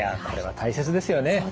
これは大切ですよね。